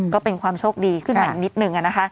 ก็เป็นความโชคดีขึ้นมาอีกนิดนึง